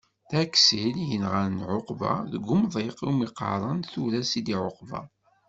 D Aksil i yenɣan Ɛuqba deg umḍiq iwmi qqaren tura Sidi-Ɛuqba.